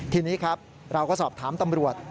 ทีนี้ครับเราก็สอบถามตำรวจ